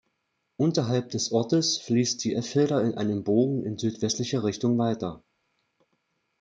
Unterhalb des Ortes fließt die Effelder in einem Bogen in südwestlicher Richtung weiter.